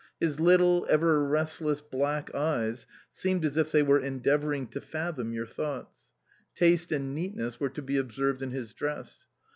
His little, ever restless, black eyes seemed as if they were endeavouring to fathom your thoughts. Taste and neatness were to be observed in his dress.